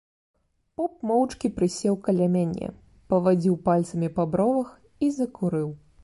Поп моўчкі прысеў каля мяне, павадзіў пальцамі па бровах і закурыў.